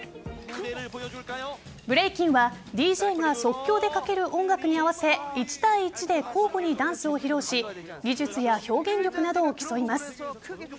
ブレイキンはＤＪが即興でかける音楽に合わせ１対１で交互にダンスを披露し技術や表現力などを競います。